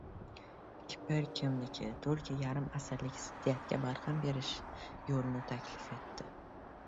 Kipr kimniki? Turkiya yarim asrlik ziddiyatga barham berish yo‘lini taklif etdi